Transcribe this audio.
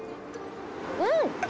うん！